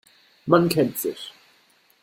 Man kennt sich.